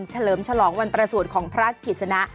เฉลิมฉลองวันประสูจน์ของพระกิจสนะ